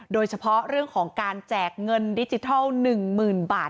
โดยเฉพาะเรื่องของการแจกเงินดิจิทัลหนึ่งหมื่นบาท